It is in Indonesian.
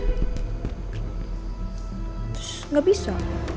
terus gak bisa